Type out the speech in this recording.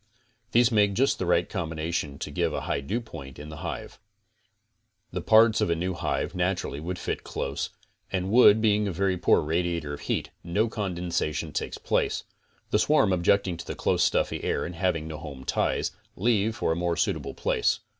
These make just the right combination to give a high dewpoint in the hive. The parts of a new hive naturally would fit close, and wood being a very poor radiator of heat, no condensation takes place. The swarm objecting to the close stuffy air, and having no home ties, leave for a more suitable place.